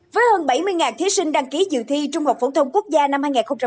với hơn bảy mươi thí sinh đăng ký dự thi trung học phổ thông quốc gia năm hai nghìn một mươi chín